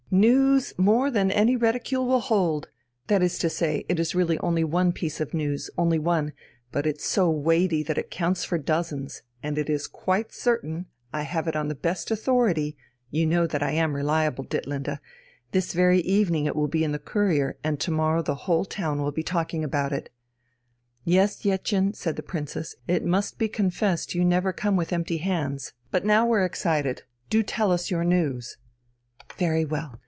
"News.... More than any reticule will hold! That is to say it is really only one piece of news, only one but it's so weighty that it counts for dozens, and it is quite certain, I have it on the best authority you know that I am reliable, Ditlinde; this very evening it will be in the Courier and to morrow the whole town will be talking about it." "Yes, Jettchen," said the Princess, "it must be confessed you never come with empty hands; but now we're excited, do tell us your news." "Very well.